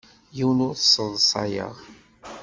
Yiwen ur t-sseḍsayeɣ.